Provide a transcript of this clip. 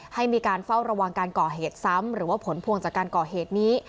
ให้มีการเฝ้าระวังการก่อเหตุซ้ำหรือว่าผลพวงจากการก่อเหตุนี้